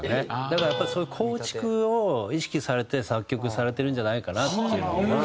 だからやっぱりそういう構築を意識されて作曲されてるんじゃないかなっていうのは。